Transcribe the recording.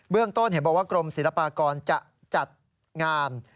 ต้นเห็นบอกว่ากรมศิลปากรจะจัดงาน